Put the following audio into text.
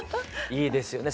いいですよね